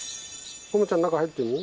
コモちゃん中入ってみ。